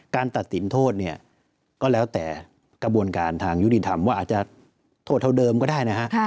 ตัดสินโทษเนี่ยก็แล้วแต่กระบวนการทางยุติธรรมว่าอาจจะโทษเท่าเดิมก็ได้นะฮะ